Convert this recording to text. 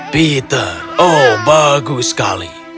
peter oh bagus sekali